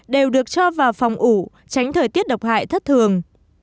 đều được cho vào phòng ủ tránh thời tiết độc hại thất thường